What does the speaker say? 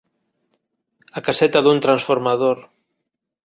A caseta dun transformador.